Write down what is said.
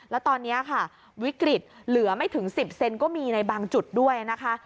แล้วตอนนี้ค่ะวิกฤตเหลือไม่ถึง๑๐เซนก็มีในบางจุดด้วยนะคะ